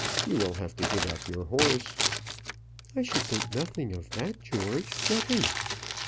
You will have to give up your horse " "I should think nothing of that, George; nothing."